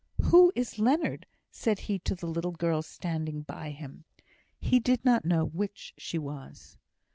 "Who is Leonard?" said he to the little girl standing by him; he did not know which she was.